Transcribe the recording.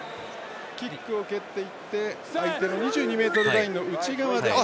キックを蹴っていって相手の２２ｍラインの内側で。